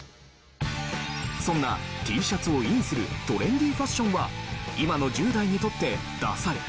そんなＴシャツをインするトレンディファッションは今の１０代にとってダサい？